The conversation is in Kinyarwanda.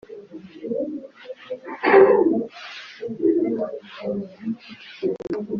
N’ibisiga byo kuli Gabiro byasanze ingabo ye yabaye umusengo,